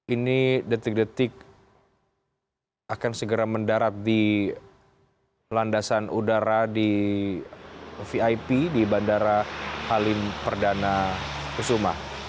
ini detik detik akan segera mendarat di landasan udara di vip di bandara halim perdana kusuma